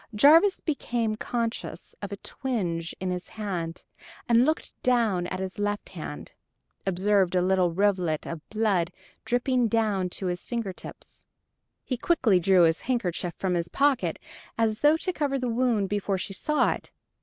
Jarvis became conscious of a twinge in his hand, and looking down at his left hand, observed a little rivulet of blood dripping down to his finger tips. He quickly drew his handkerchief from his pocket, as though to cover the wound before she saw it.